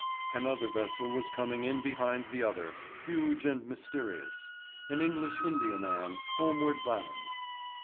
Another vessel was coming in behind the other, huge and mysterious. An English India man, homeward bound.